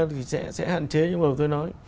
thì sẽ hạn chế như mà tôi nói